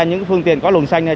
những phương tiện có lùng xanh này